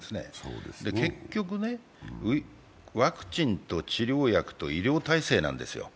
結局ね、ワクチンと治療薬と医療体制なんですよ。